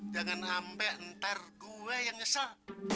jangan sampai ntar gue yang nyesel